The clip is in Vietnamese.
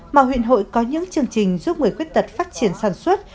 mà huyện hội có những chương trình giúp người khuyết tật phát triển sản xuất